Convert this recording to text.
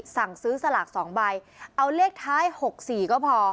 สั่งซื้อสลากสองใบเอาเลขท้ายหกสี่ก็พอ